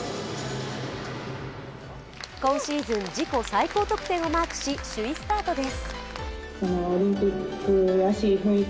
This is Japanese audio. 今シーズン自己最高得点をマークし、首位スタートです。